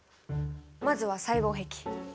まずは細胞壁。